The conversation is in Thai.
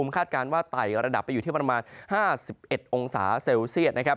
คาดการณ์ว่าไต่ระดับไปอยู่ที่ประมาณ๕๑องศาเซลเซียตนะครับ